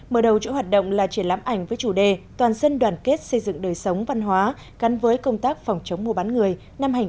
mở đầu chỗ hoạt động là triển lãm ảnh với chủ đề toàn dân đoàn kết xây dựng đời sống văn hóa gắn với công tác phòng chống mùa bán người năm hành một mươi tám